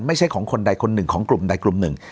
ไม่ใช่ของคนใดคนหนึ่งของกลุ่มใดกลุ่มหนึ่ง